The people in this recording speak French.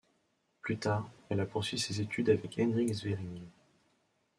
Plus tard, elle a poursuivi ses études avec Henryk Szeryng.